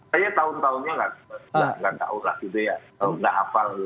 saya tahun tahunya nggak tahu lah gitu ya